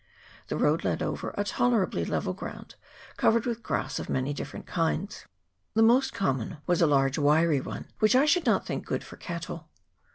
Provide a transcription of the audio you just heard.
The road led over a tolerably level country covered with grass of many different kinds ; the most common was a large wiry one, which I should not think good for cattle.